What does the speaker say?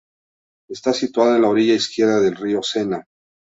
Está situado en la orilla izquierda del río Sena.